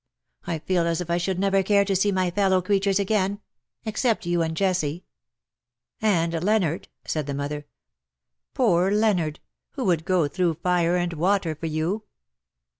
I feel as if I should never care to see my fellow creatures again — except you and Jessie.^' "And Leonard/^ said the mother. '^ Poor Leonard, who would go through fire and water for you.'